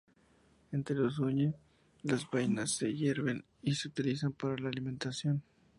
Entre los Zuñi, las vainas se hierven y se utilizan para la alimentación.